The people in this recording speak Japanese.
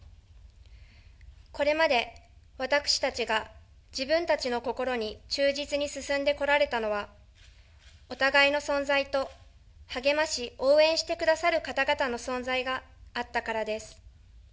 これまで私たちが、自分たちの心に忠実に進んでこられたのは、お互いの存在と、励まし、応援してくださる方々の存在があったからです。